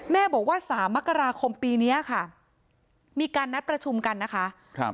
แม่บอกว่าสามมกราคมปีนี้ค่ะมีการนัดประชุมกันนะคะ